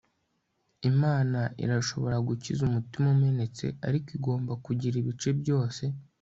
imana irashobora gukiza umutima umenetse, ariko igomba kugira ibice byose